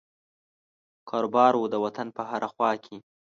کاروبار وو د وطن په هره خوا کې.